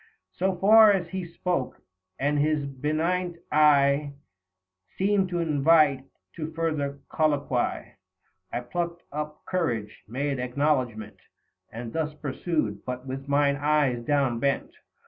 So far he spoke, and his benignant eye Seemed to invite to further colloquy ; I plucked up courage, made acknowledgment, 155 And thus pursued, but with mine eyes down bent.